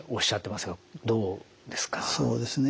そうですね。